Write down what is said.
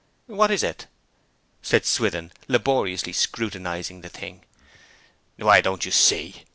'What is it?' said Swithin, laboriously scrutinizing the thing. 'Why, don't you see?'